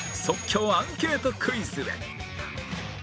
即興アンケートクイズへ